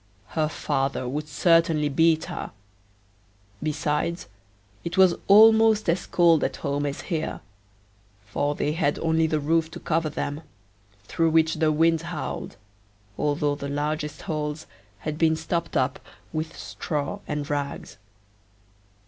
Her father would certainly beat her; besides, it was almost as cold at home as here, for they had only the roof to cover them, through which the wind howled, although the largest holes had been stopped up with straw and rags.